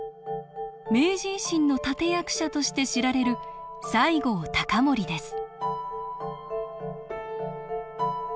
明治維新の立て役者として知られる西郷隆盛です